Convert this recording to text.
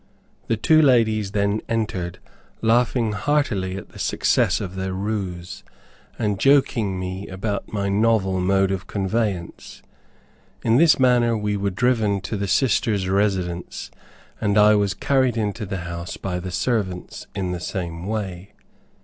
The two ladies then entered, laughing heartily at the success of their ruse, and joking me about my novel mode of conveyance. In this manner we were driven to the sister's residence, and I was carried into the house by the servants, in the same way.